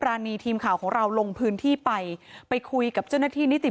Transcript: รานีทีมข่าวของเราลงพื้นที่ไปไปคุยกับเจ้าหน้าที่นิติ